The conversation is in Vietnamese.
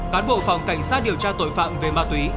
cán bộ phòng cảnh sát điều tra tội phạm về ma túy